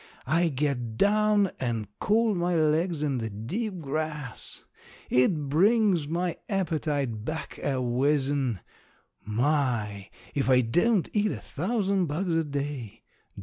I get down and cool my legs in the deep grass. It brings my appetite back a whizzin'. My! If I don't eat a thousand bugs a day.